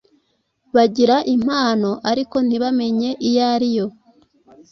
bagira impano ariko ntibamenye iyariyo